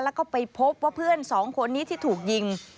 แล้วก็ไปพบว่าเพื่อนสองคนนี้ที่ถูกยิง